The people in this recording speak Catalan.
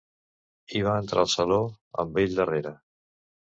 I va entrar al saló, amb ell darrere.